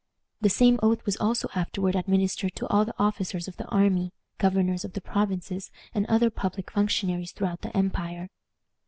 The same oath was also afterward administered to all the officers of the army, governors of the provinces, and other public functionaries throughout the empire.